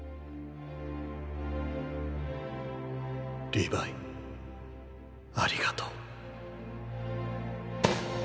リヴァイありがとう。